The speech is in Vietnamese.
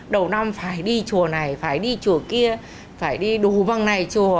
đầu năm phải đi chùa này phải đi chùa kia phải đi đù văng này chùa